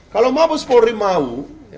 kalau mabespori mau